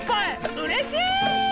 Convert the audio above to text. うれしい！